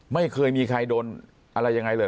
ไม่มีใครโดนอะไรอย่างไรเลยหรือ